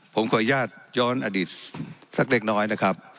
ผมขออนุญาตย้อนอดีตสักเล็กน้อยนะครับ